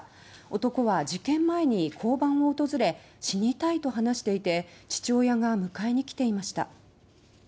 男は事件前に交番を訪れ「死にたい」と話していて父親が迎えに来ていました。